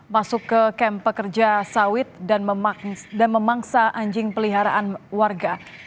masuk ke kamp pekerja sawit dan memangsa anjing peliharaan warga